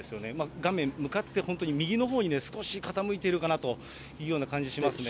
画面向かって本当に右のほうに少し傾いているかなというような感じしますね。